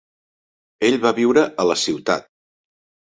Ell va viure a la ciutat.